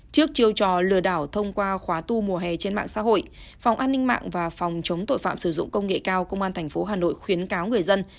trước chiêu trò lừa đảo thông qua khóa tu mùa hè trên mạng xã hội phòng an ninh mạng và phòng chống tội phạm sử dụng công nghệ cao công an tp hà nội khuyến cáo người dân